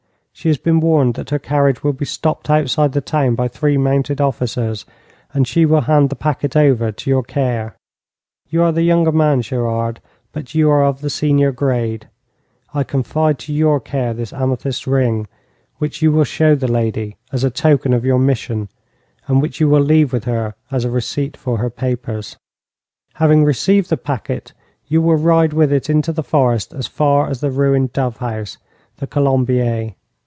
She has been warned that her carriage will be stopped outside the town by three mounted officers, and she will hand the packet over to your care. You are the younger man, Gerard, but you are of the senior grade. I confide to your care this amethyst ring, which you will show the lady as a token of your mission, and which you will leave with her as a receipt for her papers. 'Having received the packet, you will ride with it into the forest as far as the ruined dove house the Colombier.